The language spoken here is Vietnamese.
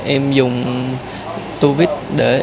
em dùng tu viết để em đục vô cửa kính